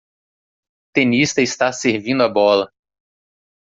Tenista está servindo a bola.